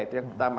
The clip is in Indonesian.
itu yang pertama